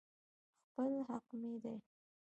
خپل حق مې دى.